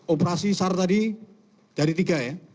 operasi sar tadi dari tiga ya